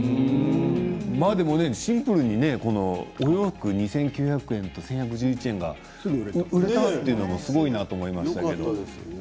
でもシンプルにお洋服２９００円と１１１１円が売れるというのはすごいなと思いました。